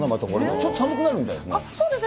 ちょっと寒くなるみたいですね。